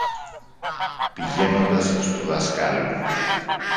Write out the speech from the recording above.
πηγαίνοντας στου δασκάλου